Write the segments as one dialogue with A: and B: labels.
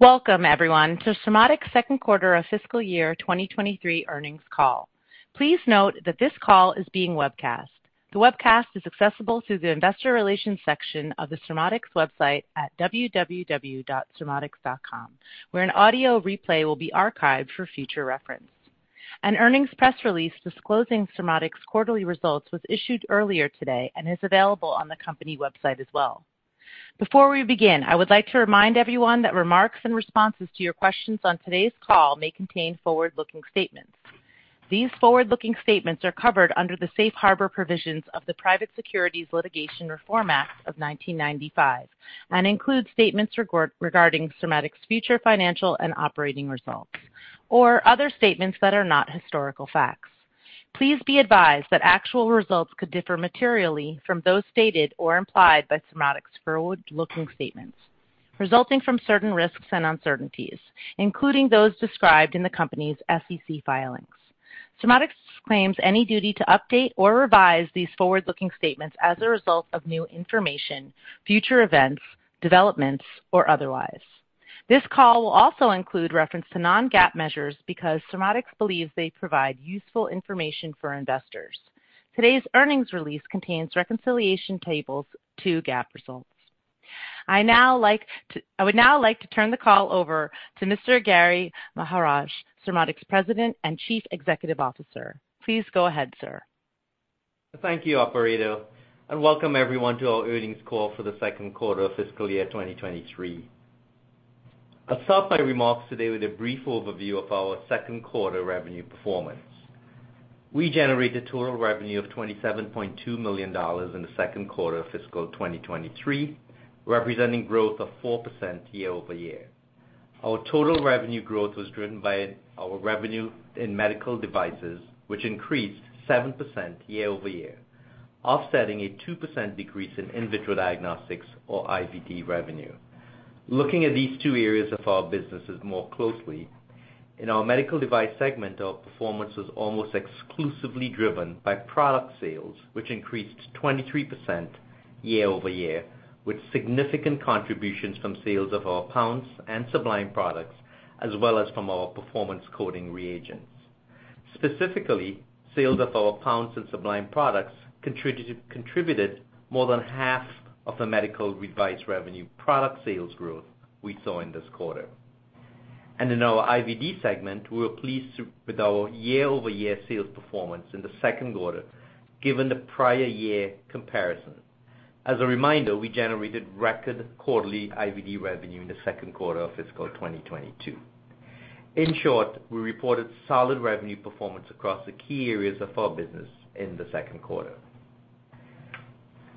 A: Welcome everyone to Surmodics' second quarter of fiscal year 2023 earnings call. Please note that this call is being webcast. The webcast is accessible through the Investor Relations section of the Surmodics website at www.surmodics.com, where an audio replay will be archived for future reference. An earnings press release disclosing Surmodics' quarterly results was issued earlier today and is available on the company website as well. Before we begin, I would like to remind everyone that remarks and responses to your questions on today's call may contain forward-looking statements. These forward-looking statements are covered under the safe harbour provisions of the Private Securities Litigation Reform Act of 1995 and include statements regarding Surmodics' future financial and operating results or other statements that are not historical facts. Please be advised that actual results could differ materially from those stated or implied by Surmodics' forward-looking statements, resulting from certain risks and uncertainties, including those described in the company's SEC filings. Surmodics claims any duty to update or revise these forward-looking statements as a result of new information, future events, developments, or otherwise. This call will also include reference to non-GAAP measures because Surmodics believes they provide useful information for investors. Today's earnings release contains reconciliation tables to GAAP results. I would now like to turn the call over to Mr. Gary Maharaj, Surmodics' President and Chief Executive Officer. Please go ahead, sir.
B: Thank you, operator, welcome everyone to our earnings call for the second quarter of fiscal year 2023. I'll start my remarks today with a brief overview of our second quarter revenue performance. We generated total revenue of $27.2 million in the second quarter of fiscal 2023, representing growth of 4% year-over-year. Our total revenue growth was driven by our revenue in medical devices, which increased 7% year-over-year, offsetting a 2% decrease in in vitro diagnostics or IVD revenue. Looking at these two areas of our businesses more closely, in our medical device segment, our performance was almost exclusively driven by product sales, which increased 23% year-over-year, with significant contributions from sales of our Pounce and Sublime products, as well as from our performance coating reagents. Specifically, sales of our Pounce and Sublime products contributed more than half of the medical device revenue product sales growth we saw in this quarter. In our IVD segment, we were pleased with our year-over-year sales performance in the second quarter given the prior year comparison. As a reminder, we generated record quarterly IVD revenue in the second quarter of fiscal 2022. In short, we reported solid revenue performance across the key areas of our business in the second quarter.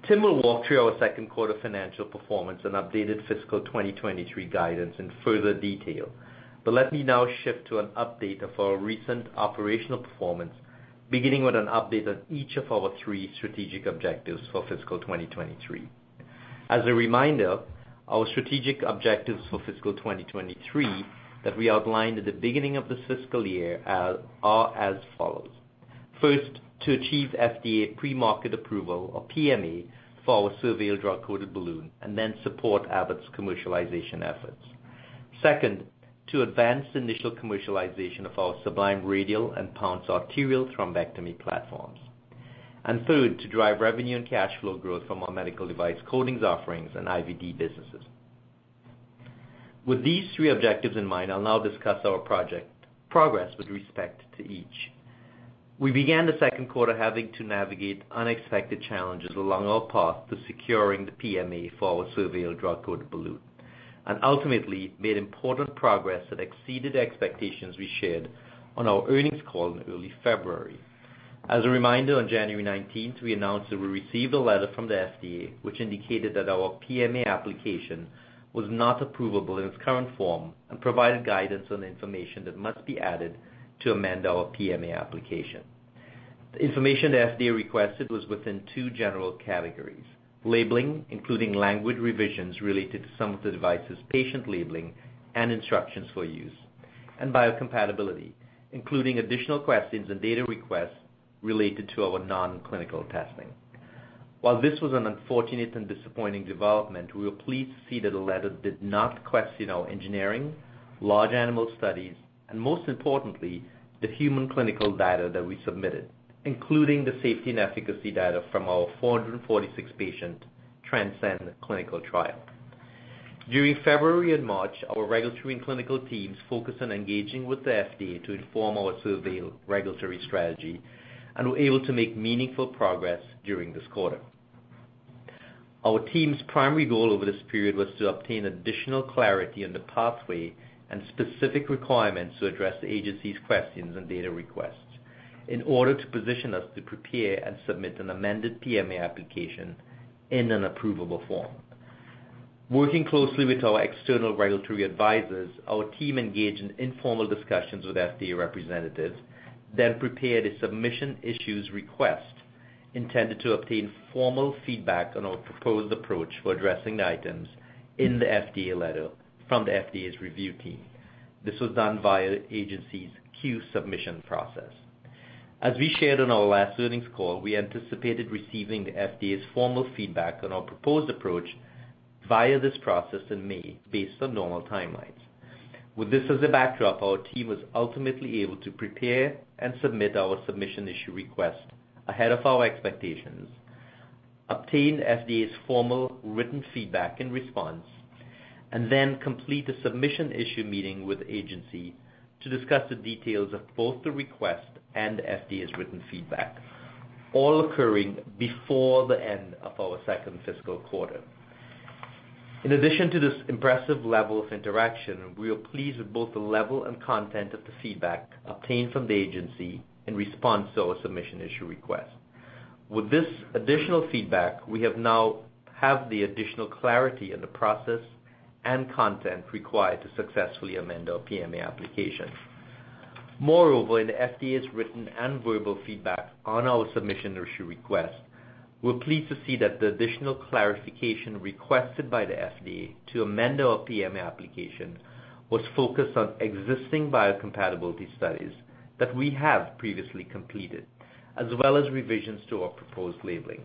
B: Tim will walk through our second quarter financial performance and updated fiscal 2023 guidance in further detail, let me now shift to an update of our recent operational performance, beginning with an update on each of our three strategic objectives for fiscal 2023. As a reminder, our strategic objectives for fiscal 2023 that we outlined at the beginning of this fiscal year are as follows. First, to achieve FDA Premarket Approval, or PMA, for our SurVeil drug-coated balloon, and then support Abbott's commercialization efforts. Second, to advance the initial commercialization of our Sublime Radial and Pounce arterial thrombectomy platforms. Third, to drive revenue and cash flow growth from our medical device coatings offerings and IVD businesses. With these three objectives in mind, I'll now discuss our progress with respect to each. We began the second quarter having to navigate unexpected challenges along our path to securing the PMA for our SurVeil drug-coated balloon, and ultimately made important progress that exceeded expectations we shared on our earnings call in early February. As a reminder, on January 19th, we announced that we received a letter from the FDA, which indicated that our PMA application was not approvable in its current form and provided guidance on the information that must be added to amend our PMA application. The information the FDA requested was within 2 general categories: labeling, including language revisions related to some of the device's patient labeling and instructions for use, and biocompatibility, including additional questions and data requests related to our non-clinical testing. While this was an unfortunate and disappointing development, we were pleased to see that the letter did not question our engineering, large animal studies, and most importantly, the human clinical data that we submitted, including the safety and efficacy data from our 446 patient TRANSCEND clinical trial. During February and March, our regulatory and clinical teams focused on engaging with the FDA to inform our SurVeil regulatory strategy and were able to make meaningful progress during this quarter. Our team's primary goal over this period was to obtain additional clarity on the pathway and specific requirements to address the agency's questions and data requests in order to position us to prepare and submit an amended PMA application in an approvable form. Working closely with our external regulatory advisors, our team engaged in informal discussions with FDA representatives, then prepared a Submission Issue Request intended to obtain formal feedback on our proposed approach for addressing the items in the FDA letter from the FDA's review team. This was done via agency's Q Submission process. As we shared on our last earnings call, we anticipated receiving the FDA's formal feedback on our proposed approach via this process in May based on normal timelines. With this as a backdrop, our team was ultimately able to prepare and submit our Submission Issue Request ahead of our expectations, obtain FDA's formal written feedback and response, and then complete a Submission Issue Meeting with the agency to discuss the details of both the request and FDA's written feedback, all occurring before the end of our second fiscal quarter. In addition to this impressive level of interaction, we are pleased with both the level and content of the feedback obtained from the agency in response to our Submission Issue Request. With this additional feedback, we now have the additional clarity in the process and content required to successfully amend our PMA application. In the FDA's written and verbal feedback on our Submission Issue Request, we're pleased to see that the additional clarification requested by the FDA to amend our PMA application was focused on existing biocompatibility studies that we have previously completed, as well as revisions to our proposed labeling.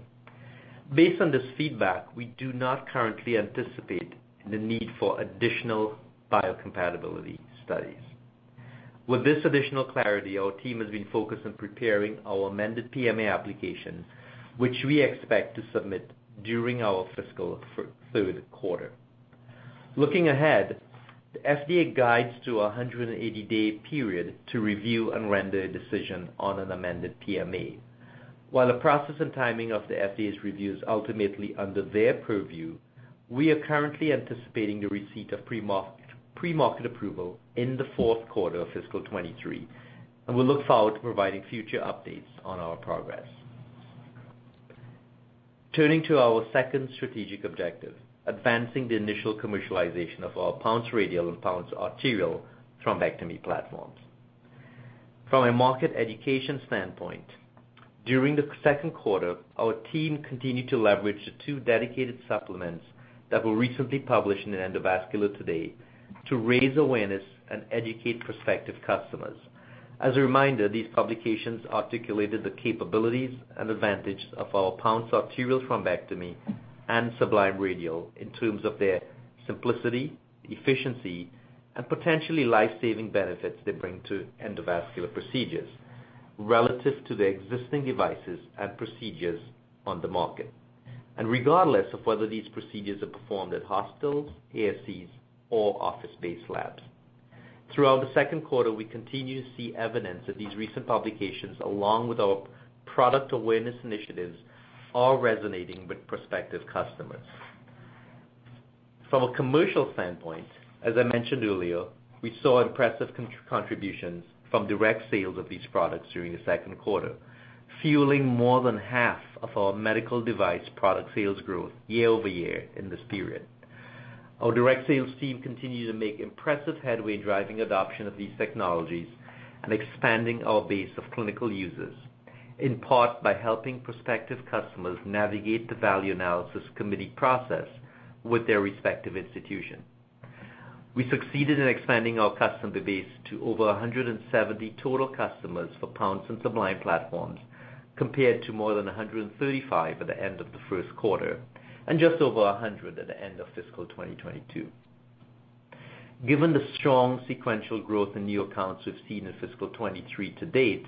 B: Based on this feedback, we do not currently anticipate the need for additional biocompatibility studies. With this additional clarity, our team has been focused on preparing our amended PMA application, which we expect to submit during our fiscal third quarter. Looking ahead, the FDA guides to a 180-day period to review and render a decision on an amended PMA. While the process and timing of the FDA's review is ultimately under their purview, we are currently anticipating the receipt of premarket approval in the fourth quarter of fiscal 2023. We look forward to providing future updates on our progress. Turning to our second strategic objective, advancing the initial commercialization of our Pounce Radial and Pounce Arterial thrombectomy platforms. From a market education standpoint, during the second quarter, our team continued to leverage the 2 dedicated supplements that were recently published in Endovascular Today to raise awareness and educate prospective customers. As a reminder, these publications articulated the capabilities and advantage of our Pounce Arterial thrombectomy and Sublime Radial in terms of their simplicity, efficiency, and potentially life-saving benefits they bring to endovascular procedures relative to the existing devices and procedures on the market. Regardless of whether these procedures are performed at hospitals, ASCs, or office-based labs. Throughout the second quarter, we continue to see evidence that these recent publications, along with our product awareness initiatives, are resonating with prospective customers. From a commercial standpoint, as I mentioned earlier, we saw impressive contributions from direct sales of these products during the second quarter, fueling more than half of our medical device product sales growth year-over-year in this period. Our direct sales team continued to make impressive headway in driving adoption of these technologies and expanding our base of clinical users, in part by helping prospective customers navigate the value analysis committee process with their respective institution. We succeeded in expanding our customer base to over 170 total customers for Pounce and Sublime platforms, compared to more than 135 at the end of the first quarter, and just over 100 at the end of fiscal 2022. Given the strong sequential growth in new accounts we've seen in fiscal 23 to date,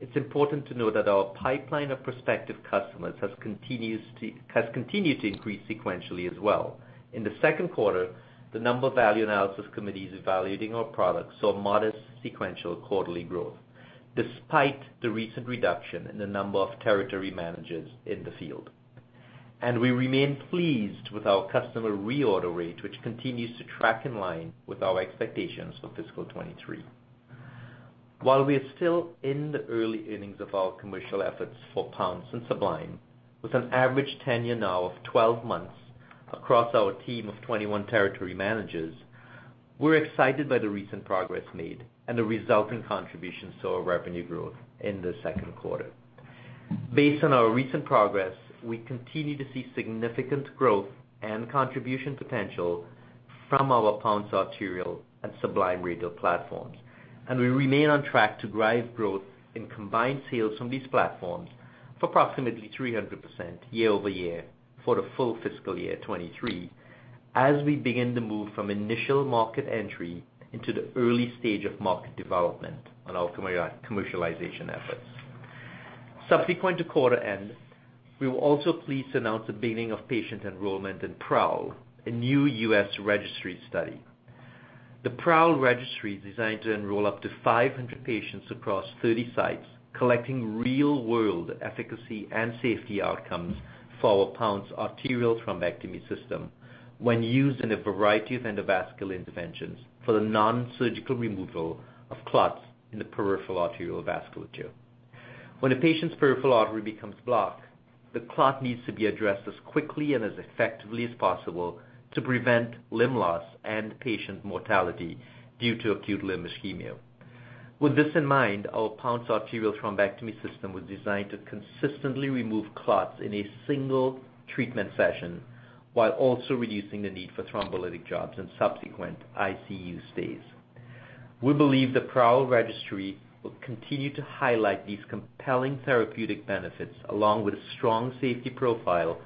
B: it's important to note that our pipeline of prospective customers has continued to increase sequentially as well. In the second quarter, the number of value analysis committees evaluating our products saw modest sequential quarterly growth, despite the recent reduction in the number of territory managers in the field. We remain pleased with our customer reorder rate, which continues to track in line with our expectations for fiscal 23. While we are still in the early innings of our commercial efforts for Pounce and Sublime, with an average tenure now of 12 months across our team of 21 territory managers, we're excited by the recent progress made and the resulting contributions to our revenue growth in the second quarter. Based on our recent progress, we continue to see significant growth and contribution potential from our Pounce arterial and Sublime Radial platforms. We remain on track to drive growth in combined sales from these platforms for approximately 300% year over year for the full fiscal year 23, as we begin the move from initial market entry into the early stage of market development on our commercialization efforts. Subsequent to quarter end, we were also pleased to announce the beginning of patient enrollment in PROWL, a new U.S. registry study. The PROWL registry is designed to enroll up to 500 patients across 30 sites, collecting real-world efficacy and safety outcomes for our Pounce arterial Thrombectomy system when used in a variety of endovascular interventions for the non-surgical removal of clots in the peripheral arterial vasculature. When a patient's peripheral artery becomes blocked, the clot needs to be addressed as quickly and as effectively as possible to prevent limb loss and patient mortality due to acute limb ischemia. With this in mind, our Pounce arterial thrombectomy system was designed to consistently remove clots in a 1 treatment session while also reducing the need for thrombolytic drugs and subsequent ICU stays. We believe the PROWL registry will continue to highlight these compelling therapeutic benefits along with a strong safety profile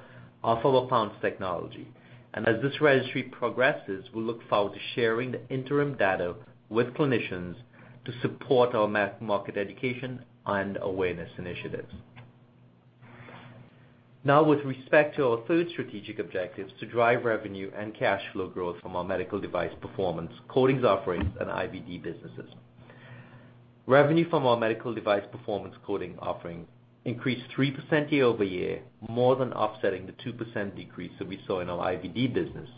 B: of our Pounce technology. As this registry progresses, we look forward to sharing the interim data with clinicians to support our market education and awareness initiatives. Now, with respect to our third strategic objective, to drive revenue and cash flow growth from our medical device performance coatings offerings and IVD businesses. Revenue from our medical device performance coating offering increased 3% year-over-year, more than offsetting the 2% decrease that we saw in our IVD business.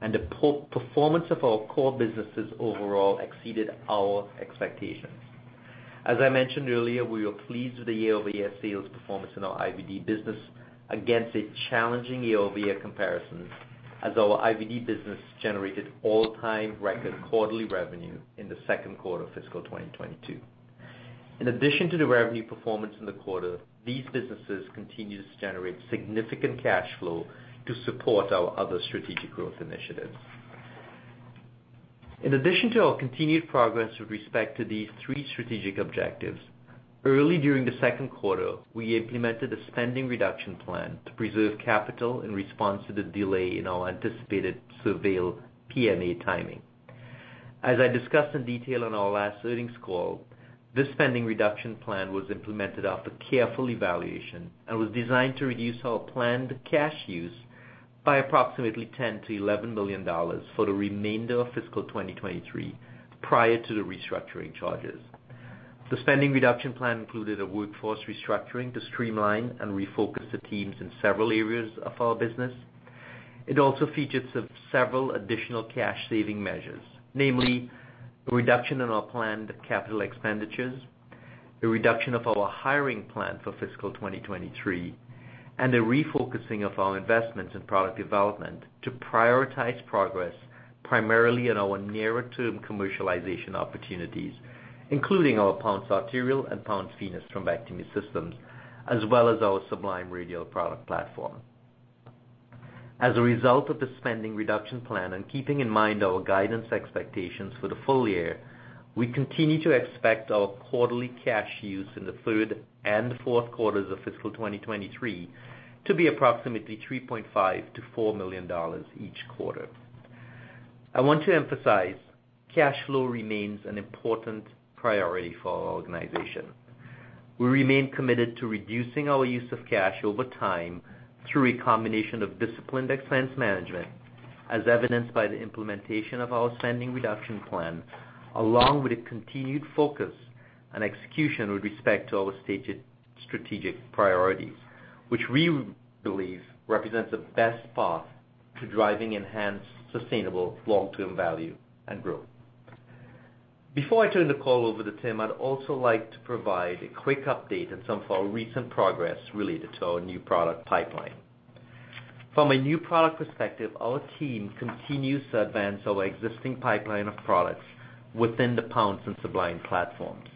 B: The performance of our core businesses overall exceeded our expectations. As I mentioned earlier, we were pleased with the year-over-year sales performance in our IVD business against a challenging year-over-year comparison as our IVD business generated all-time record quarterly revenue in the 2nd quarter of fiscal 2022. In addition to the revenue performance in the quarter, these businesses continue to generate significant cash flow to support our other strategic growth initiatives. In addition to our continued progress with respect to these three strategic objectives, early during the 2nd quarter, we implemented a spending reduction plan to preserve capital in response to the delay in our anticipated SurVeil PMA timing. As I discussed in detail on our last earnings call, this spending reduction plan was implemented after careful evaluation and was designed to reduce our planned cash use by approximately $10 million-$11 million for the remainder of fiscal 2023, prior to the restructuring charges. The spending reduction plan included a workforce restructuring to streamline and refocus the teams in several areas of our business. It also featured several additional cash saving measures, namely a reduction in our planned capital expenditures, a reduction of our hiring plan for fiscal 2023, and a refocusing of our investments in product development to prioritize progress primarily in our nearer-term commercialization opportunities, including our Pounce arterial and Pounce Venous thrombectomy systems, as well as our Sublime radial product platform. As a result of the spending reduction plan and keeping in mind our guidance expectations for the full year, we continue to expect our quarterly cash use in the third and fourth quarters of fiscal 2023 to be approximately $3.5 million-$4 million each quarter. I want to emphasize cash flow remains an important priority for our organization. We remain committed to reducing our use of cash over time through a combination of disciplined expense management, as evidenced by the implementation of our spending reduction plan, along with a continued focus on execution with respect to our stated strategic priorities, which we believe represents the best path to driving enhanced, sustainable long-term value and growth. Before I turn the call over to Tim, I'd also like to provide a quick update on some of our recent progress related to our new product pipeline. From a new product perspective, our team continues to advance our existing pipeline of products within the Pounce and Sublime platforms,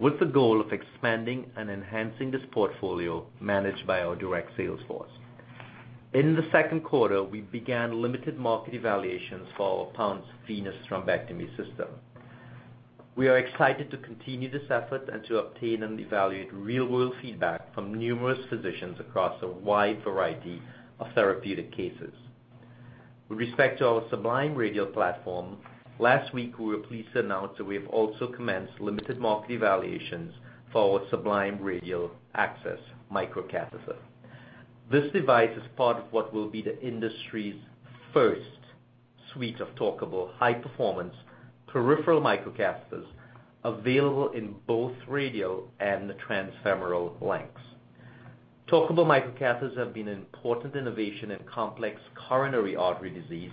B: with the goal of expanding and enhancing this portfolio managed by our direct sales force. In the second quarter, we began limited market evaluations for our Pounce Venous Thrombectomy System. We are excited to continue this effort and to obtain and evaluate real-world feedback from numerous physicians across a wide variety of therapeutic cases. With respect to our Sublime Radial platform, last week, we were pleased to announce that we have also commenced limited market evaluations for our Sublime radial access microcatheter. This device is part of what will be the industry's first suite of trackable, high-performance peripheral microcatheters available in both radial and the transfemoral lengths. Trackable microcatheters have been an important innovation in complex coronary artery disease,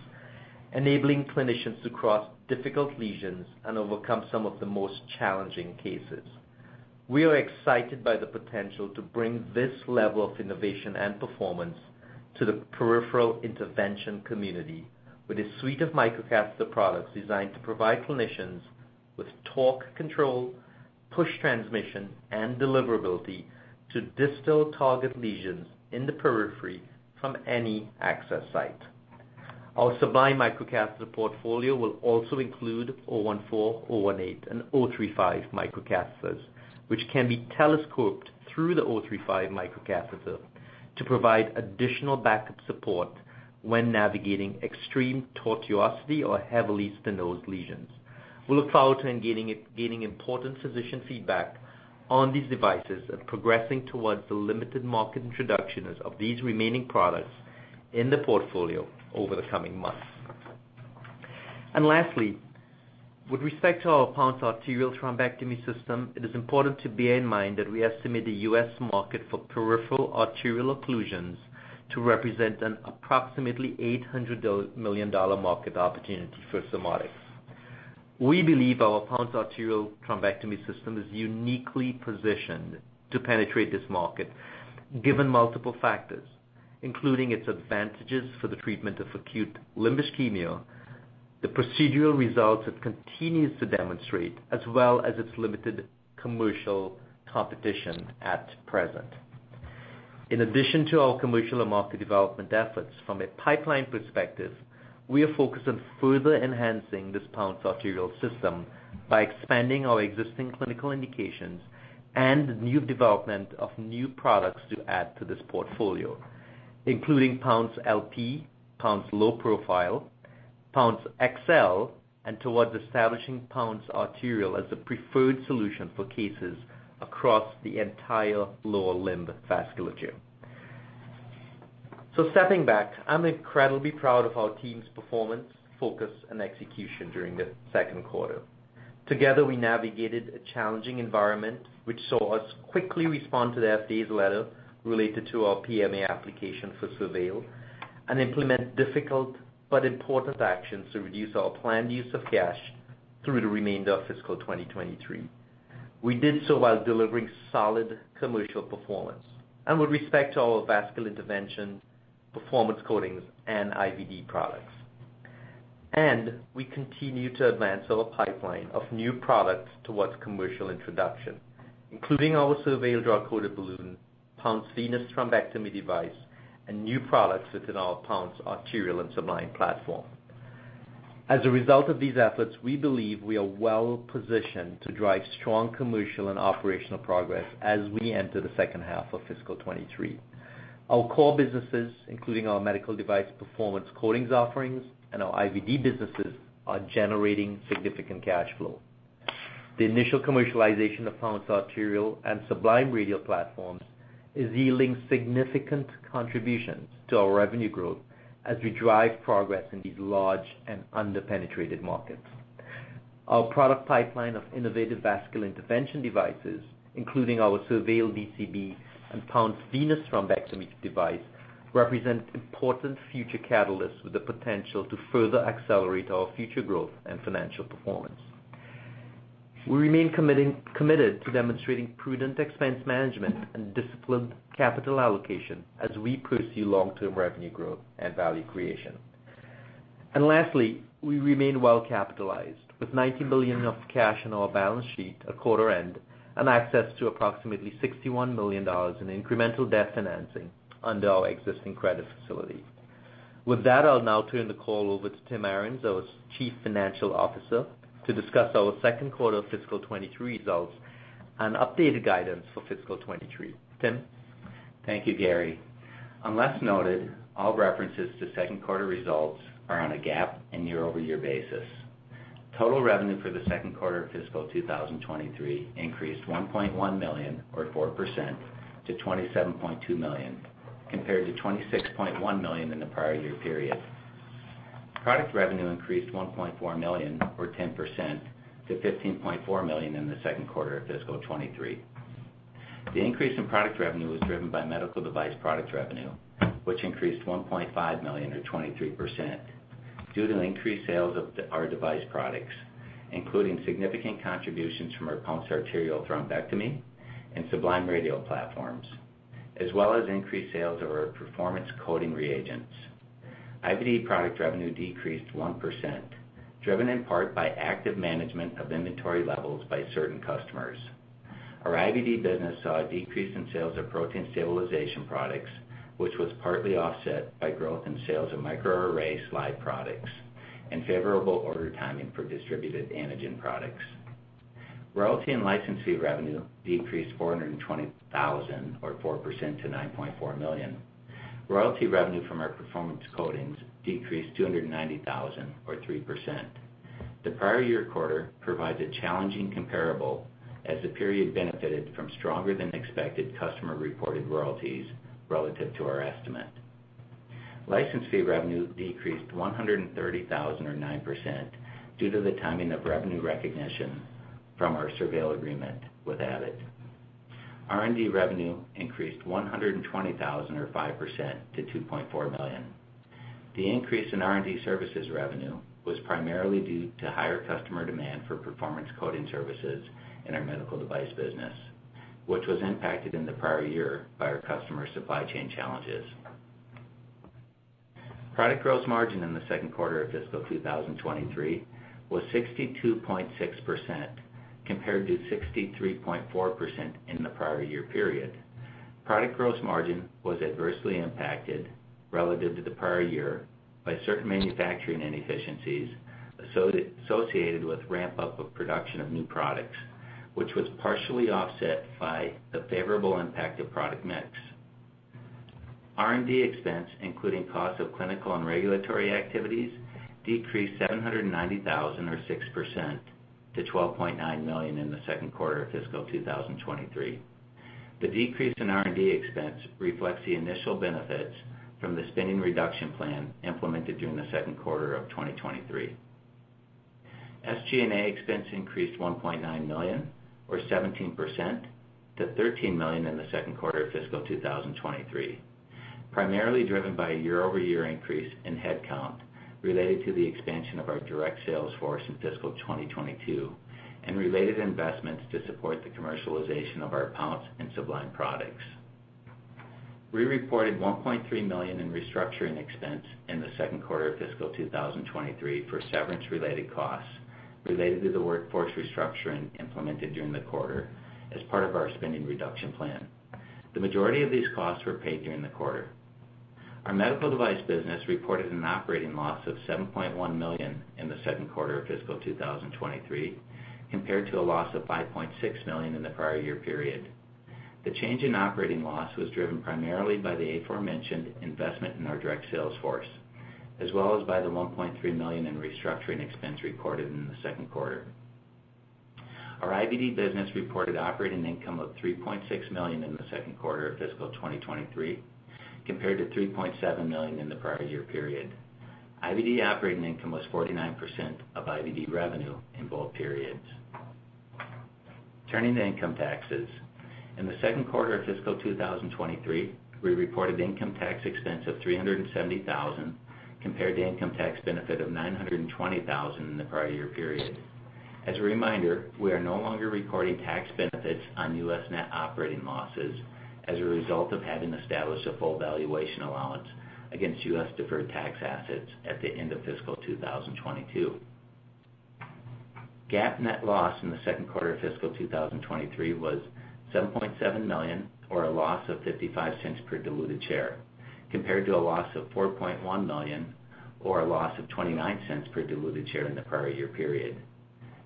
B: enabling clinicians to cross difficult lesions and overcome some of the most challenging cases. We are excited by the potential to bring this level of innovation and performance to the peripheral intervention community with a suite of microcatheter products designed to provide clinicians with torque control, push transmission, and deliverability to distill target lesions in the periphery from any access site. Our Sublime microcatheter portfolio will also include 0.014", 0.018", and 0.035" microcatheters, which can be telescoped through the 0.035" microcatheter to provide additional backup support when navigating extreme tortuosity or heavily stenosed lesions. We look forward to gaining important physician feedback on these devices and progressing towards the limited market introductions of these remaining products in the portfolio over the coming months. Lastly, with respect to our Pounce arterial thrombectomy system, it is important to bear in mind that we estimate the U.S. market for peripheral arterial occlusions to represent an approximately $800 million market opportunity for Surmodics. We believe our Pounce arterial thrombectomy system is uniquely positioned to penetrate this market given multiple factors, including its advantages for the treatment of acute limb ischemia, the procedural results it continues to demonstrate, as well as its limited commercial competition at present. In addition to our commercial and market development efforts from a pipeline perspective, we are focused on further enhancing this Pounce arterial system by expanding our existing clinical indications and new development of new products to add to this portfolio, including Pounce LP, Pounce Low Profile, Pounce XL, and towards establishing Pounce Arterial as the preferred solution for cases across the entire lower limb vasculature. Stepping back, I'm incredibly proud of our team's performance, focus, and execution during the second quarter. Together, we navigated a challenging environment, which saw us quickly respond to the FDA's letter related to our PMA application for SurVeil and implement difficult but important actions to reduce our planned use of cash through the remainder of fiscal 2023. We did so while delivering solid commercial performance, and with respect to our vascular intervention, performance coatings, and IVD products. We continue to advance our pipeline of new products towards commercial introduction, including our SurVeil drug-coated balloon, Pounce Venous thrombectomy device, and new products within our Pounce arterial and Sublime platform. As a result of these efforts, we believe we are well-positioned to drive strong commercial and operational progress as we enter the second half of fiscal 2023. Our core businesses, including our medical device performance coatings offerings and our IVD businesses, are generating significant cash flow. The initial commercialization of Pounce arterial and Sublime Radial platforms is yielding significant contributions to our revenue growth as we drive progress in these large and under-penetrated markets. Our product pipeline of innovative vascular intervention devices, including our SurVeil DCB and Pounce Venous thrombectomy device, represent important future catalysts with the potential to further accelerate our future growth and financial performance. We remain committed to demonstrating prudent expense management and disciplined capital allocation as we pursue long-term revenue growth and value creation. Lastly, we remain well-capitalized, with $90 million of cash on our balance sheet at quarter-end and access to approximately $61 million in incremental debt financing under our existing credit facility. With that, I'll now turn the call over to Tim Arens, our Chief Financial Officer, to discuss our second quarter fiscal 2023 results and updated guidance for fiscal 2023. Tim?
C: Thank you, Gary. Unless noted, all references to second quarter results are on a GAAP and year-over-year basis. Total revenue for the second quarter of fiscal 2023 increased $1.1 million, or 4%, to $27.2 million, compared to $26.1 million in the prior year period. Product revenue increased $1.4 million, or 10%, to $15.4 million in the second quarter of fiscal 2023. The increase in product revenue was driven by medical device product revenue, which increased $1.5 million or 23% due to increased sales of our device products, including significant contributions from our Pounce arterial thrombectomy and Sublime Radial platforms, as well as increased sales of our performance coating reagents. IVD product revenue decreased 1%, driven in part by active management of inventory levels by certain customers. Our IVD business saw a decrease in sales of protein stabilization products, which was partly offset by growth in sales of microarray slide products and favorable order timing for distributed antigen products. Royalty and license fee revenue decreased $420,000, or 4% to $9.4 million. Royalty revenue from our performance coatings decreased $290,000, or 3%. The prior year quarter provides a challenging comparable as the period benefited from stronger than expected customer-reported royalties relative to our estimate. License fee revenue decreased $130,000, or 9%, due to the timing of revenue recognition from our SurVeil agreement with Abbott. R&D revenue increased $120,000, or 5%, to $2.4 million. The increase in R&D services revenue was primarily due to higher customer demand for performance coding services in our medical device business, which was impacted in the prior year by our customer supply chain challenges. Product gross margin in the second quarter of fiscal 2023 was 62.6%, compared to 63.4% in the prior year period. Product gross margin was adversely impacted relative to the prior year by certain manufacturing inefficiencies associated with ramp-up of production of new products, which was partially offset by the favorable impact of product mix. R&D expense, including cost of clinical and regulatory activities, decreased $790,000, or 6%, to $12.9 million in the second quarter of fiscal 2023. The decrease in R&D expense reflects the initial benefits from the spending reduction plan implemented during the second quarter of 2023. SG&A expense increased $1.9 million, or 17%, to $13 million in the second quarter of fiscal 2023, primarily driven by a year-over-year increase in headcount related to the expansion of our direct sales force in fiscal 2022, and related investments to support the commercialization of our Pounce and Sublime products. We reported $1.3 million in restructuring expense in the second quarter of fiscal 2023 for severance-related costs related to the workforce restructuring implemented during the quarter as part of our spending reduction plan. The majority of these costs were paid during the quarter. Our medical device business reported an operating loss of $7.1 million in the second quarter of fiscal 2023, compared to a loss of $5.6 million in the prior year period. The change in operating loss was driven primarily by the aforementioned investment in our direct sales force, as well as by the $1.3 million in restructuring expense recorded in the second quarter. Our IVD business reported operating income of $3.6 million in the second quarter of fiscal 2023, compared to $3.7 million in the prior year period. IVD operating income was 49% of IVD revenue in both periods. Turning to income taxes. In the second quarter of fiscal 2023, we reported income tax expense of $370,000 compared to income tax benefit of $920,000 in the prior year period. As a reminder, we are no longer recording tax benefits on U.S. net operating losses as a result of having established a full valuation allowance against U.S. deferred tax assets at the end of fiscal 2022. GAAP net loss in the second quarter of fiscal 2023 was $7.7 million, or a loss of $0.55 per diluted share, compared to a loss of $4.1 million, or a loss of $0.29 per diluted share in the prior year period.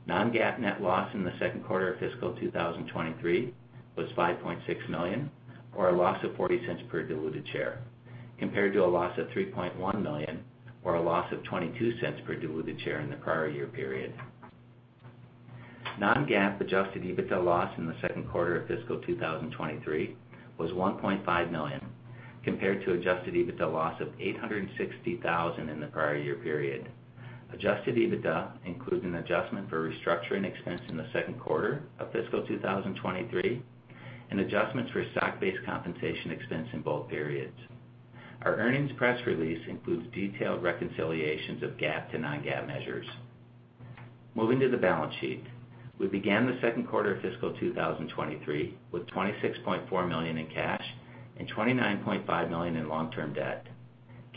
C: Non-GAAP net loss in the second quarter of fiscal 2023 was $5.6 million, or a loss of $0.40 per diluted share, compared to a loss of $3.1 million, or a loss of $0.22 per diluted share in the prior year period. Non-GAAP adjusted EBITDA loss in the second quarter of fiscal 2023 was $1.5 million, compared to adjusted EBITDA loss of $860,000 in the prior year period. Adjusted EBITDA includes an adjustment for restructuring expense in the second quarter of fiscal 2023 and adjustments for stock-based compensation expense in both periods. Our earnings press release includes detailed reconciliations of GAAP to non-GAAP measures. Moving to the balance sheet. We began the second quarter of fiscal 2023 with $26.4 million in cash and $29.5 million in long-term debt.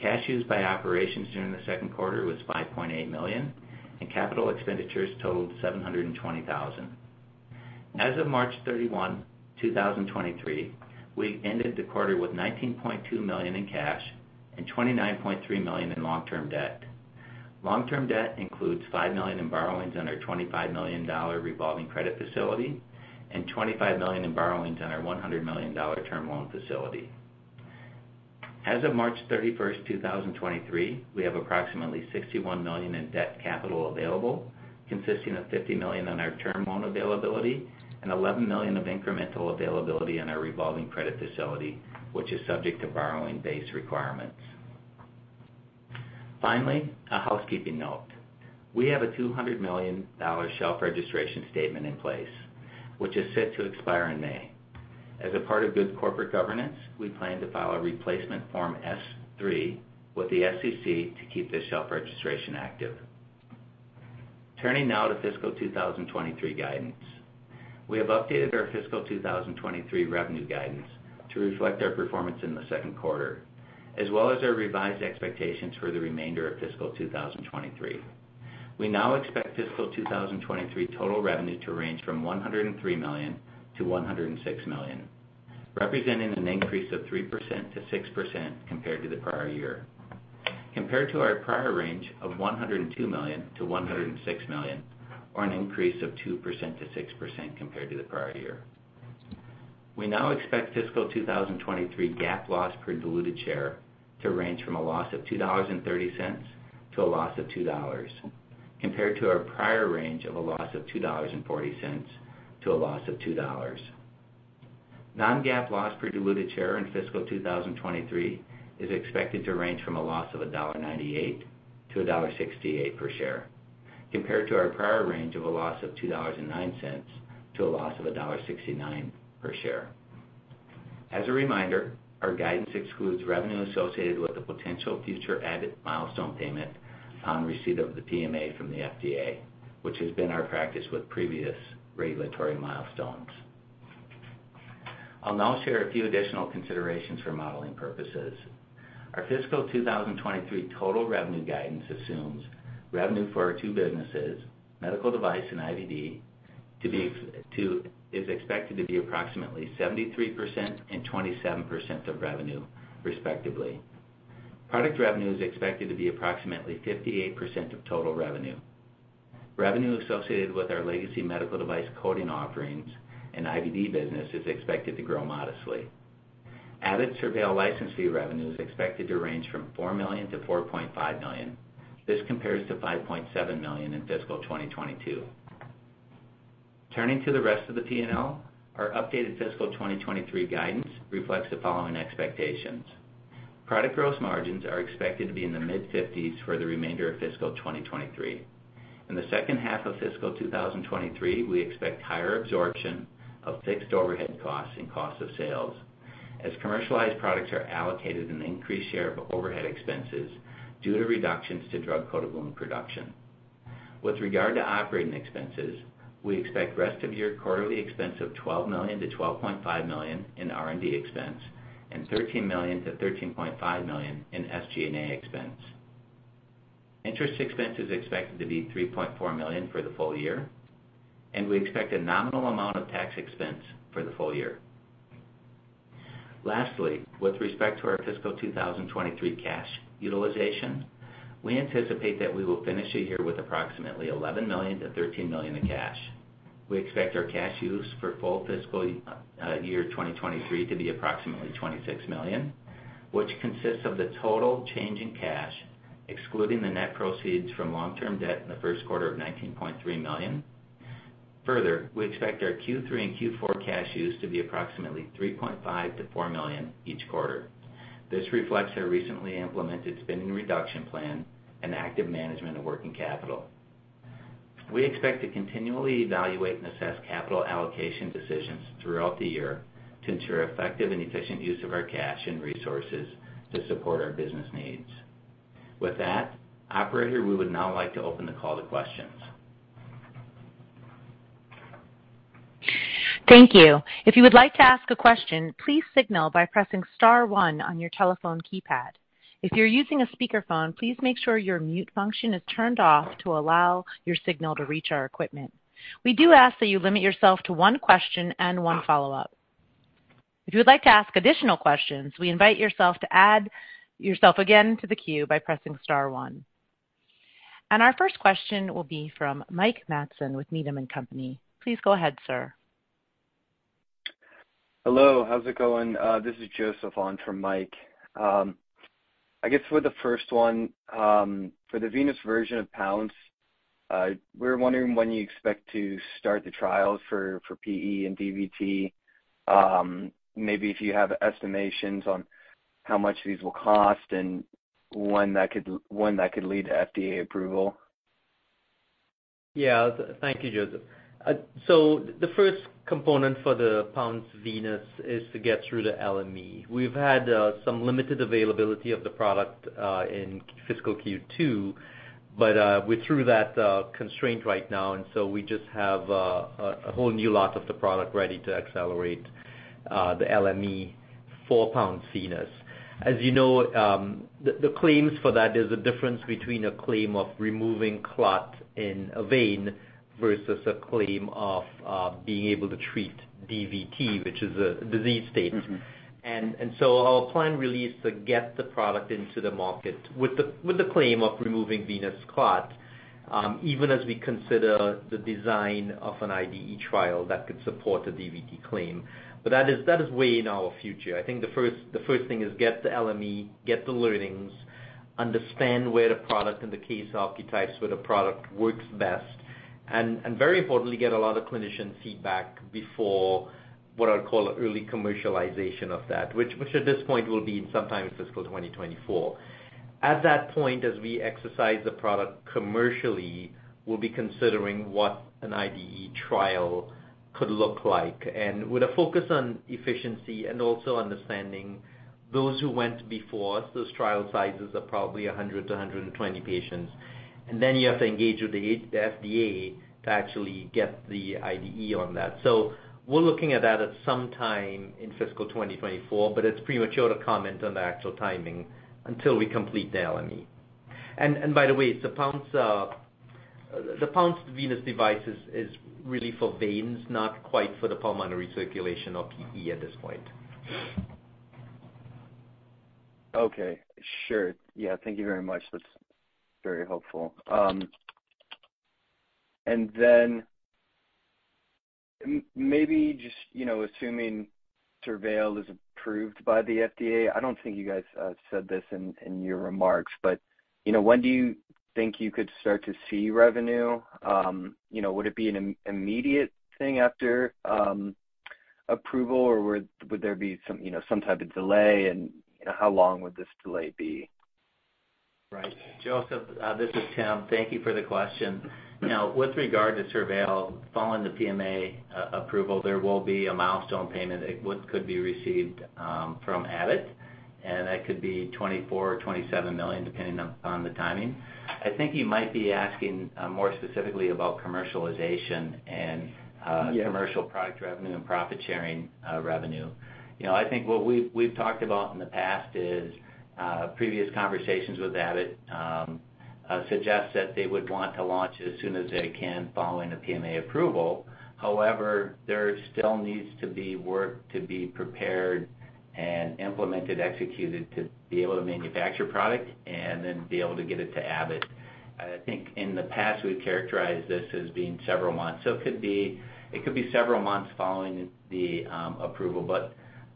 C: Cash used by operations during the second quarter was $5.8 million, and capital expenditures totaled $720,000. As of March 31, 2023, we ended the quarter with $19.2 million in cash and $29.3 million in long-term debt. Long-term debt includes $5 million in borrowings under a $25 million revolving credit facility and $25 million in borrowings under $100 million term loan facility. As of March 31st, 2023, we have approximately $61 million in debt capital available, consisting of $50 million in our term loan availability and $11 million of incremental availability in our revolving credit facility, which is subject to borrowing base requirements. Finally, a housekeeping note. We have a $200 million shelf registration statement in place, which is set to expire in May. As a part of good corporate governance, we plan to file a replacement Form S-3 with the SEC to keep this shelf registration active. Turning now to fiscal 2023 guidance. We have updated our fiscal 2023 revenue guidance to reflect our performance in the second quarter, as well as our revised expectations for the remainder of fiscal 2023. We now expect fiscal 2023 total revenue to range from $103 million to $106 million, representing an increase of 3%-6% compared to the prior year, compared to our prior range of $102 million to $106 million, or an increase of 2%-6% compared to the prior year. We now expect fiscal 2023 GAAP loss per diluted share to range from a loss of $2.30 to a loss of $2.00, compared to our prior range of a loss of $2.40 to a loss of $2.00. Non-GAAP loss per diluted share in fiscal 2023 is expected to range from a loss of $1.98 to $1.68 per share, compared to our prior range of a loss of $2.09 to $1.69 per share. As a reminder, our guidance excludes revenue associated with the potential future added milestone payment on receipt of the PMA from the FDA, which has been our practice with previous regulatory milestones. I'll now share a few additional considerations for modeling purposes. Our fiscal 2023 total revenue guidance assumes revenue for our two businesses, medical device and IVD, is expected to be approximately 73% and 27% of revenue, respectively. Product revenue is expected to be approximately 58% of total revenue. Revenue associated with our legacy medical device coating offerings and IVD business is expected to grow modestly. Added SurVeil license fee revenue is expected to range from $4 million-$4.5 million. This compares to $5.7 million in fiscal 2022. Turning to the rest of the P&L, our updated fiscal 2023 guidance reflects the following expectations. Product gross margins are expected to be in the mid-50s for the remainder of fiscal 2023. In the second half of fiscal 2023, we expect higher absorption of fixed overhead costs and cost of sales as commercialized products are allocated an increased share of overhead expenses due to reductions to drug coatable and production. With regard to operating expenses, we expect rest of year quarterly expense of $12 million-$12.5 million in R&D expense and $13 million-$13.5 million in SG&A expense. Interest expense is expected to be $3.4 million for the full year. We expect a nominal amount of tax expense for the full year. Lastly, with respect to our fiscal 2023 cash utilization, we anticipate that we will finish the year with approximately $11 million-$13 million in cash. We expect our cash use for full fiscal year 2023 to be approximately $26 million, which consists of the total change in cash, excluding the net proceeds from long-term debt in the first quarter of $19.3 million. We expect our Q3 and Q4 cash use to be approximately $3.5 million-$4 million each quarter. This reflects our recently implemented spending reduction plan and active management of working capital. We expect to continually evaluate and assess capital allocation decisions throughout the year to ensure effective and efficient use of our cash and resources to support our business needs. With that, operator, we would now like to open the call to questions.
A: Thank you. If you would like to ask a question, please signal by pressing star one on your telephone keypad. If you're using a speakerphone, please make sure your mute function is turned off to allow your signal to reach our equipment. We do ask that you limit yourself to one question and one follow-up. If you would like to ask additional questions, we invite yourself to add yourself again to the queue by pressing star one. Our first question will be from Mike Matson with Needham & Company. Please go ahead, sir.
D: Hello, how's it going? This is Joseph, on from Mike. I guess for the first one, for the Pounce Venous, we're wondering when you expect to start the trials for PE and DVT. Maybe if you have estimations on how much these will cost and when that could lead to FDA approval.
B: Thank you, Joseph. The first component for the Pounce Venous is to get through the LME. We've had some limited availability of the product in fiscal Q2, but we're through that constraint right now, so we just have a whole new lot of the product ready to accelerate the LME for Pounce Venous. As you know, the claims for that is a difference between a claim of removing clot in a vein versus a claim of being able to treat DVT, which is a disease state. Our plan really is to get the product into the market with the, with the claim of removing venous clot, even as we consider the design of an IDE trial that could support a DVT claim. That is way in our future. I think the first thing is get the LME, get the learnings, understand where the product and the case archetypes, where the product works best, and very importantly, get a lot of clinician feedback before what I'd call early commercialization of that, which at this point will be sometime in fiscal 2024. At that point, as we exercise the product commercially, we'll be considering what an IDE trial could look like. With a focus on efficiency and also understanding those who went before us, those trial sizes are probably 100 to 120 patients. You have to engage with the FDA to actually get the IDE on that. We're looking at that at some time in fiscal 2024, but it's premature to comment on the actual timing until we complete the LME. By the way, the Pounce Venous device is really for veins, not quite for the pulmonary circulation or PE at this point.
D: Okay. Sure. Yeah. Thank you very much. That's very helpful. Maybe just, you know, assuming SurVeil is approved by the FDA, I don't think you guys said this in your remarks, but, you know, when do you think you could start to see revenue? You know, would it be an immediate thing after approval, or would there be some, you know, some type of delay? You know, how long would this delay be?
C: Right. Joseph, this is Tim. Thank you for the question. You know, with regard to SurVeil, following the PMA approval, there will be a milestone payment, what could be received from Abbott, and that could be $24 million or $27 million, depending on the timing. I think you might be asking more specifically about commercialization.
D: Yeah
C: commercial product revenue and profit sharing revenue. You know, I think what we've talked about in the past is previous conversations with Abbott suggest that they would want to launch as soon as they can following a PMA approval. However, there still needs to be work to be prepared and implemented, executed to be able to manufacture product and then be able to get it to Abbott. I think in the past, we've characterized this as being several months, so it could be several months following the approval.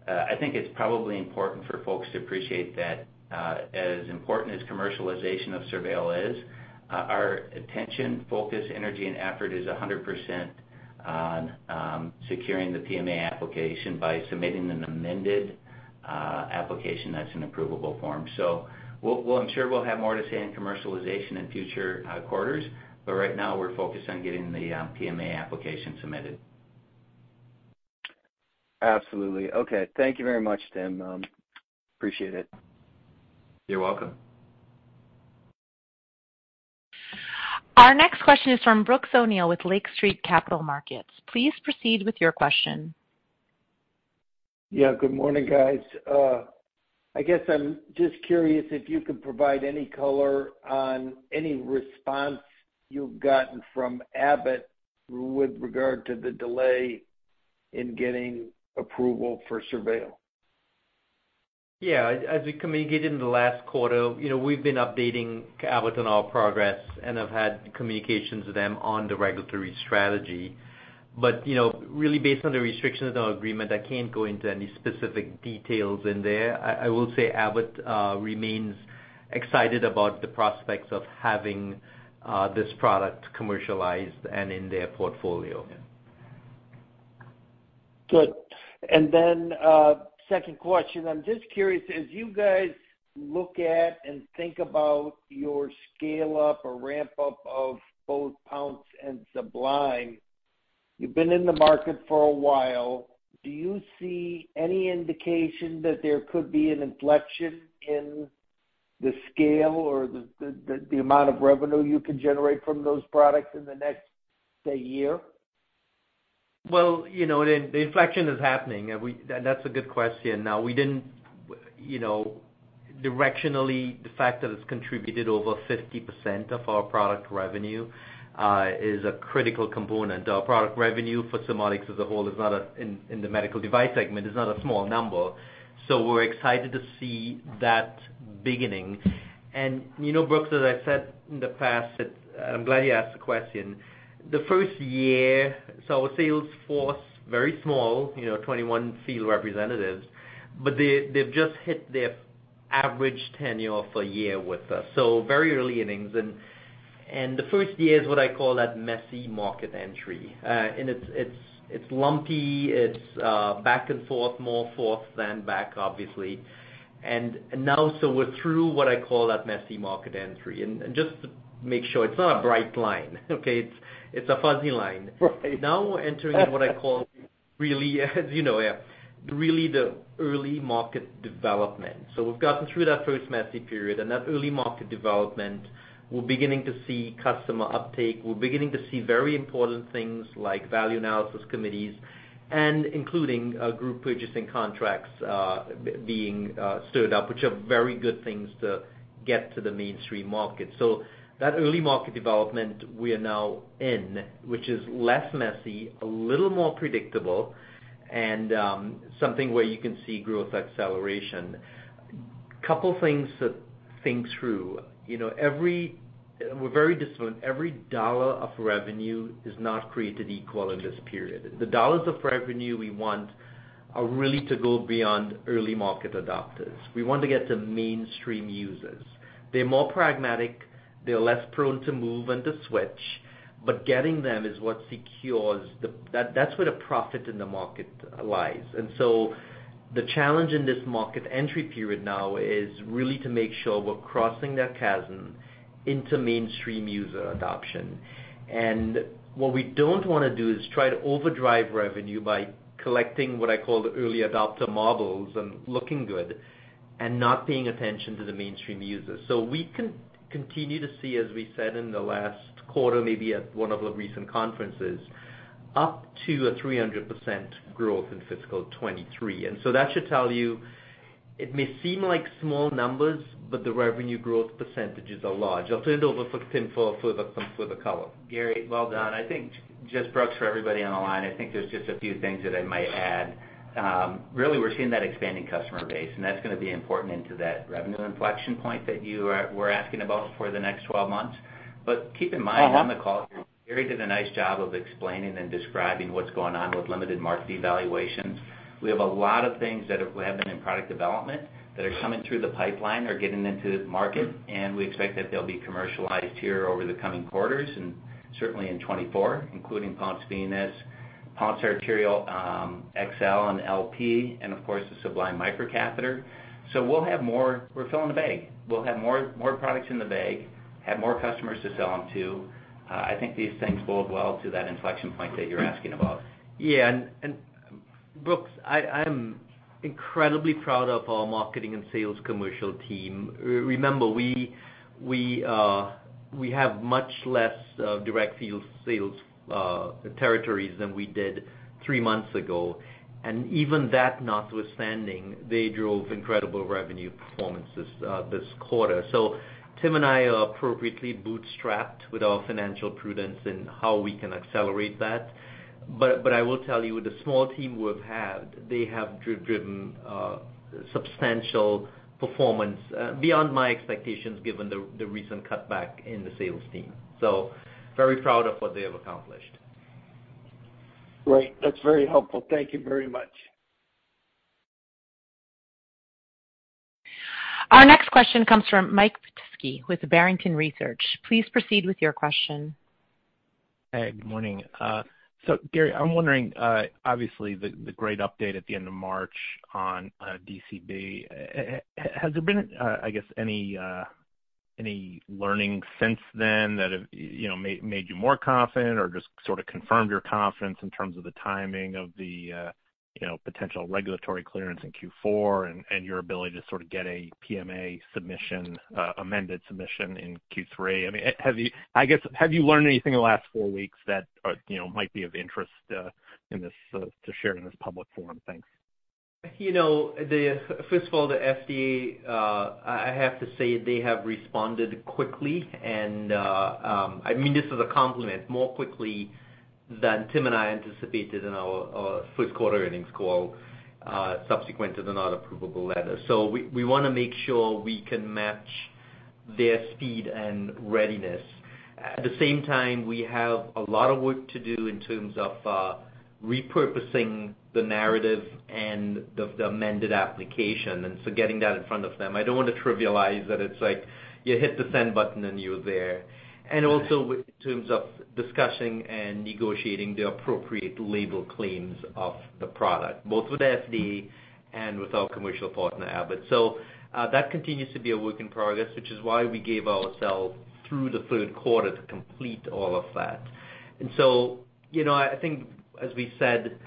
C: I think it's probably important for folks to appreciate that as important as commercialization of SurVeil is our attention, focus, energy, and effort is 100% on securing the PMA application by submitting an amended application that's in approvable form. I'm sure we'll have more to say in commercialization in future quarters, but right now we're focused on getting the PMA application submitted.
E: Absolutely. Okay. Thank you very much, Tim. Appreciate it.
C: You're welcome.
A: Our next question is from Brooks O'Neil with Lake Street Capital Markets. Please proceed with your question.
F: Yeah, good morning, guys. I guess I'm just curious if you could provide any color on any response you've gotten from Abbott with regard to the delay in getting approval for SurVeil.
B: Yeah. As we communicated in the last quarter, you know, we've been updating Abbott on all progress and have had communications with them on the regulatory strategy. You know, really based on the restrictions of the agreement, I can't go into any specific details in there. I will say Abbott remains excited about the prospects of having this product commercialized and in their portfolio.
F: Good. Then, second question. I'm just curious, as you guys look at and think about your scale-up or ramp-up of both Pounce and Sublime, you've been in the market for a while, do you see any indication that there could be an inflection in the scale or the amount of revenue you could generate from those products in the next, say, year?
B: Well, you know, the inflection is happening. That's a good question. Now, we didn't... You know, directionally, the fact that it's contributed over 50% of our product revenue is a critical component. Our product revenue for Surmodics as a whole is not a small number. We're excited to see that beginning. You know, Brooks, as I said in the past, I'm glad you asked the question. The first year, our sales force, very small, you know, 21 field representatives, but they've just hit their average tenure of a year with us. Very early innings. The first year is what I call that messy market entry. It's lumpy, it's back and forth, more forth than back, obviously. Now, so we're through what I call that messy market entry. Just to make sure, it's not a bright line, okay? It's a fuzzy line.
F: Right.
B: We're entering in what I call really, as you know, really the early market development. We've gotten through that first messy period and that early market development, we're beginning to see customer uptake. We're beginning to see very important things like value analysis committees and including group purchasing contracts being stood up, which are very good things to get to the mainstream market. That early market development we are now in, which is less messy, a little more predictable, and something where you can see growth acceleration. Couple things to think through. You know, we're very disciplined. Every dollar of revenue is not created equal in this period. The dollars of revenue we want are really to go beyond early market adopters. We want to get to mainstream users. Getting them is what secures. That's where the profit in the market lies. The challenge in this market entry period now is really to make sure we're crossing that chasm into mainstream user adoption. What we don't wanna do is try to overdrive revenue by collecting what I call the early adopter models and looking good and not paying attention to the mainstream users. We continue to see, as we said in the last quarter, maybe at one of the recent conferences, up to a 300% growth in fiscal 23. That should tell you, it may seem like small numbers, the revenue growth percentages are large. I'll turn it over for Tim for the color.
F: Gary, well done. I think just Brooks, for everybody on the line, I think there's just a few things that I might add. really we're seeing that expanding customer base, and that's gonna be important into that revenue inflection point that we're asking about for the next 12 months. Keep in mind-
C: Gary did a nice job of explaining and describing what's going on with limited market evaluations. We have a lot of things that have happened in product development that are coming through the pipeline or getting into the market, and we expect that they'll be commercialized here over the coming quarters and certainly in 2024, including Pounce Venous, Pounce arterial, XL and LP, and of course the Sublime microcatheter. We're filling the bag. We'll have more products in the bag, have more customers to sell them to. I think these things bode well to that inflection point that you're asking about.
B: Brooks, I'm incredibly proud of our marketing and sales commercial team. Remember, we have much less direct field sales territories than we did 3 months ago. Even that notwithstanding, they drove incredible revenue performances this quarter. Tim and I are appropriately bootstrapped with our financial prudence in how we can accelerate that. I will tell you, the small team we've had, they have driven substantial performance beyond my expectations, given the recent cutback in the sales team. Very proud of what they have accomplished.
F: Great. That's very helpful. Thank you very much.
A: Our next question comes from Mike Petusky with Barrington Research. Please proceed with your question.
G: Hey, good morning. Gary, I'm wondering, obviously the great update at the end of March on DCB, has there been, I guess, any learning since then that have, you know, made you more confident or just sort of confirmed your confidence in terms of the timing of the, you know, potential regulatory clearance in Q4 and your ability to sort of get a PMA submission, amended submission in Q3? I mean, I guess, have you learned anything in the last four weeks that, you know, might be of interest to share in this public forum? Thanks.
B: You know, first of all, the FDA, I have to say they have responded quickly, and I mean this as a compliment more quickly than Tim and I anticipated in our first quarter earnings call subsequent to the not approvable letter. We wanna make sure we can match their speed and readiness. At the same time, we have a lot of work to do in terms of repurposing the narrative and the amended application, getting that in front of them. I don't want to trivialize that it's like you hit the send button and you're there. Also with terms of discussing and negotiating the appropriate label claims of the product, both with the FDA and with our commercial partner, Abbott. That continues to be a work in progress, which is why we gave ourselves through the third quarter to complete all of that. You know, I think as we said,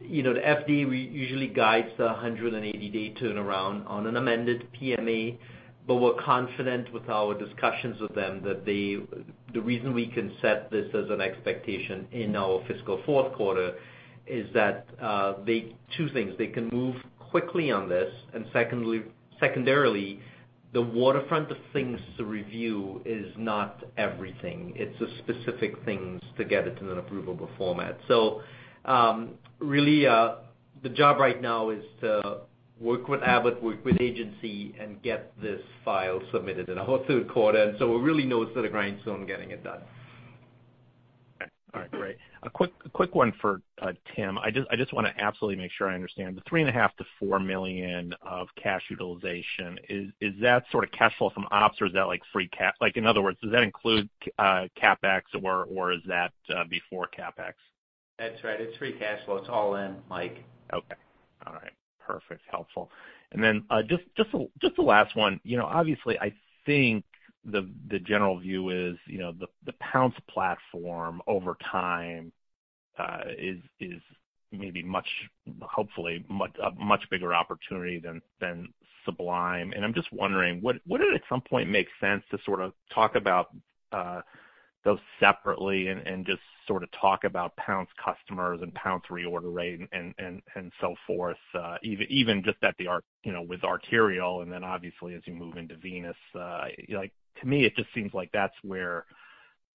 B: you know, the FDA usually guides the 180-day turnaround on an amended PMA, but we're confident with our discussions with them that the reason we can set this as an expectation in our fiscal fourth quarter is that. Two things, they can move quickly on this, and secondly, secondarily, the waterfront of things to review is not everything. It's a specific things to get it to an approvable format. Really, the job right now is to work with Abbott, work with agency, and get this file submitted in our third quarter. We're really nose to the grindstone getting it done.
G: Okay. All right, great. A quick one for Tim. I just want to absolutely make sure I understand. The $3.5 million-$4 million of cash utilization, is that sort of cash flow from ops or is that like free cash? Like in other words, does that include CapEx or is that before CapEx?
C: That's right. It's free cash flow. It's all in, Mike.
G: Okay. All right. Perfect. Helpful. Then, just a last one. You know, obviously, I think the general view is, you know, the Pounce platform over time, is maybe much, hopefully a much bigger opportunity than Sublime. I'm just wondering, would it at some point make sense to sort of talk about those separately and just sort of talk about Pounce customers and Pounce reorder rate and so forth, even just at the you know, with arterial and then obviously as you move into Venous, like to me, it just seems like that's where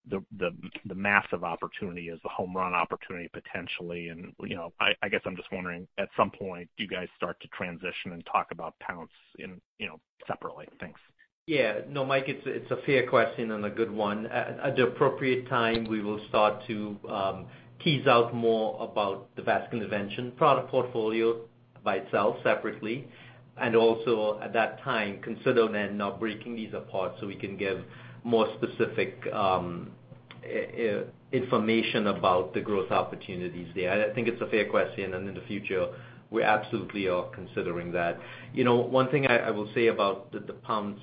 G: the massive opportunity is, the home run opportunity potentially. You know, I guess I'm just wondering, at some point, do you guys start to transition and talk about Pounce in, you know, separately? Thanks.
B: Yeah. No, Mike, it's a fair question and a good one. At the appropriate time, we will start to tease out more about the vascular intervention product portfolio by itself separately. Also at that time, consider then now breaking these apart so we can give more specific information about the growth opportunities there. I think it's a fair question. In the future, we absolutely are considering that. You know, one thing I will say about the Pounce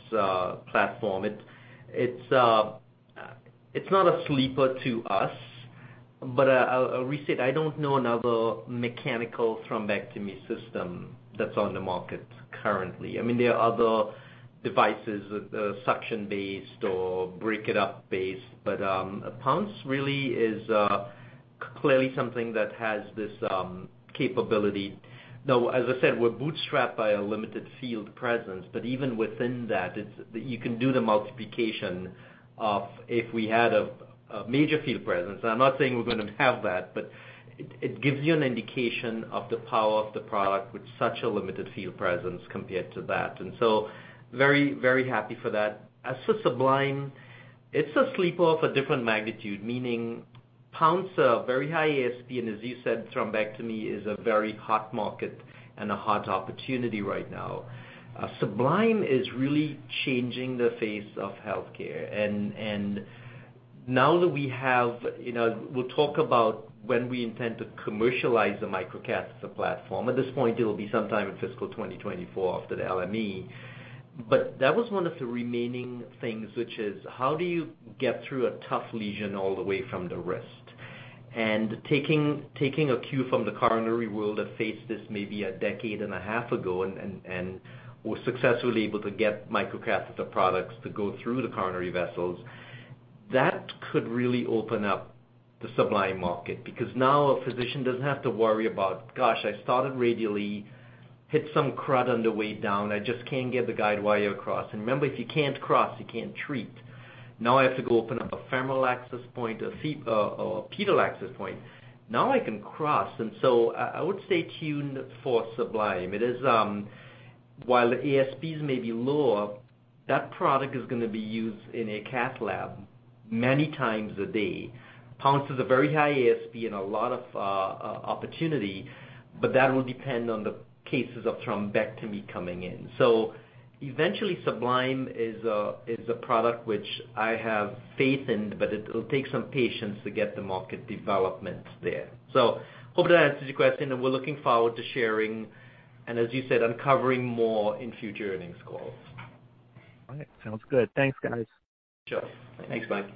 B: platform, it's not a sleeper to us, I'll restate, I don't know another mechanical thrombectomy system that's on the market currently. I mean, there are other devices with the suction-based or break it up based, Pounce really is clearly something that has this capability. As I said, we're bootstrapped by a limited field presence, but even within that, you can do the multiplication of if we had a major field presence. I'm not saying we're gonna have that, but it gives you an indication of the power of the product with such a limited field presence compared to that. Very, very happy for that. As for Sublime, it's a sleeper of a different magnitude, meaning Pounce, a very high ASP, and as you said, thrombectomy is a very hot market and a hot opportunity right now. Sublime is really changing the face of healthcare. Now that we have, you know, we'll talk about when we intend to commercialize the microcatheter platform. At this point, it'll be sometime in fiscal 2024 after the LME. That was one of the remaining things, which is how do you get through a tough lesion all the way from the wrist? Taking a cue from the coronary world that faced this maybe a decade and a half ago and was successfully able to get microcatheter products to go through the coronary vessels, that could really open up the Sublime market because now a physician doesn't have to worry about, gosh, I started radially, hit some crud on the way down. I just can't get the guidewire across. Remember, if you can't cross, you can't treat. I have to go open up a femoral access point, a pedal access point. I can cross. I would stay tuned for Sublime. It is. While the ASPs may be lower That product is going to be used in a cath lab many times a day. Pounce is a very high ASP and a lot of opportunity, but that will depend on the cases of thrombectomy coming in. Eventually, Sublime is a product which I have faith in, but it'll take some patience to get the market development there. Hope that answers your question, and we're looking forward to sharing and, as you said, uncovering more in future earnings calls.
G: All right, sounds good. Thanks, guys.
C: Sure. Thanks, Mike.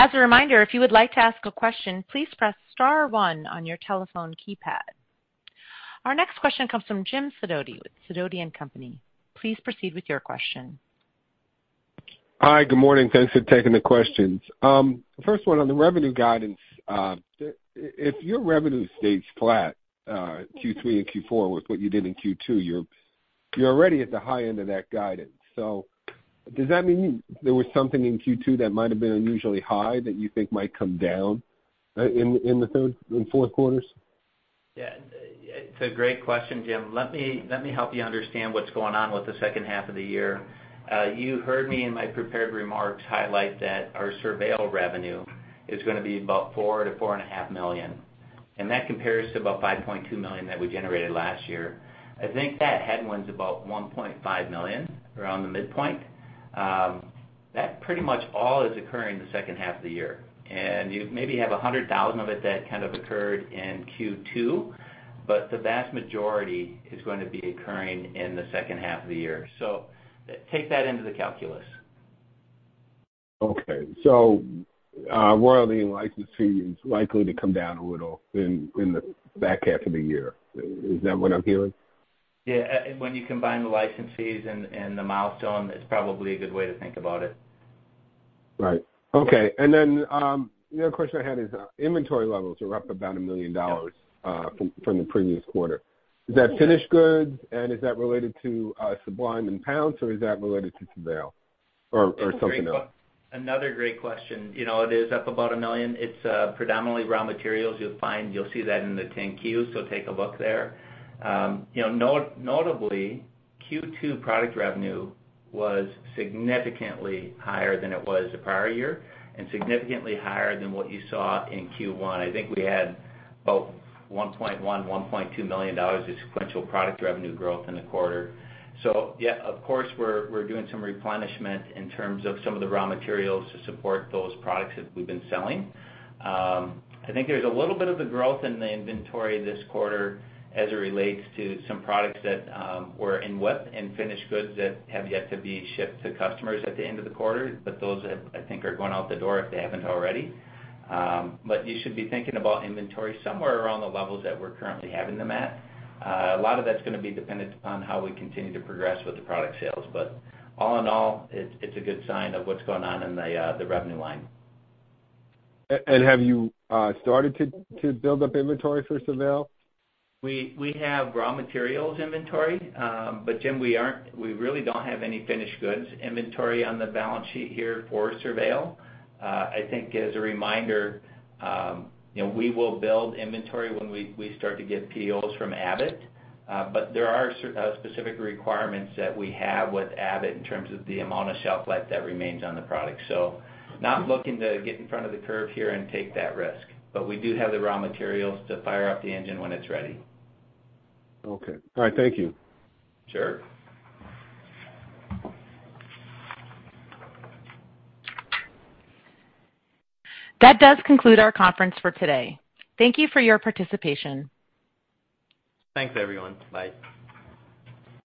A: As a reminder, if you would like to ask a question, please press star one on your telephone keypad. Our next question comes from Jim Sidoti with Sidoti & Company. Please proceed with your question.
H: Hi. Good morning. Thanks for taking the questions. First one on the revenue guidance. If your revenue stays flat, Q3 and Q4 with what you did in Q2, you're already at the high end of that guidance. Does that mean there was something in Q2 that might have been unusually high that you think might come down in the third and fourth quarters?
C: Yeah, it's a great question, Jim. Let me, let me help you understand what's going on with the second half of the year. You heard me in my prepared remarks highlight that our SurVeil revenue is gonna be about $4 million to four and a half million, and that compares to about $5.2 million that we generated last year. I think that headwind's about $1.5 million around the midpoint. That pretty much all is occurring in the second half of the year. You maybe have $100,000 of it that kind of occurred in Q2, but the vast majority is going to be occurring in the second half of the year. Take that into the calculus.
H: Okay. Royalty and license fee is likely to come down a little in the back half of the year. Is that what I'm hearing?
C: Yeah. When you combine the license fees and the milestone, it's probably a good way to think about it.
H: Right. Okay. The other question I had is inventory levels are up about $1 million from the previous quarter.
C: Yeah.
H: Is that finished goods and is that related to, Sublime and Pounce, or is that related to SurVeil or something else?
C: Another great question. You know, it is up about $1 million. It's predominantly raw materials. You'll see that in the 10-Q, take a look there. You know, notably, Q2 product revenue was significantly higher than it was the prior year and significantly higher than what you saw in Q1. I think we had about $1.1 million-$1.2 million of sequential product revenue growth in the quarter. Yeah, of course, we're doing some replenishment in terms of some of the raw materials to support those products that we've been selling. I think there's a little bit of a growth in the inventory this quarter as it relates to some products that were in WIP and finished goods that have yet to be shipped to customers at the end of the quarter. Those, I think are going out the door if they haven't already. You should be thinking about inventory somewhere around the levels that we're currently having them at. A lot of that's gonna be dependent upon how we continue to progress with the product sales. All in all, it's a good sign of what's going on in the revenue line.
H: Have you started to build up inventory for SurVeil?
C: We have raw materials inventory. Jim, we really don't have any finished goods inventory on the balance sheet here for SurVeil. I think as a reminder, you know, we will build inventory when we start to get POs from Abbott. There are specific requirements that we have with Abbott in terms of the amount of shelf life that remains on the product. Not looking to get in front of the curve here and take that risk. We do have the raw materials to fire up the engine when it's ready.
H: Okay. All right. Thank you.
C: Sure.
A: That does conclude our conference for today. Thank you for your participation.
C: Thanks, everyone. Bye.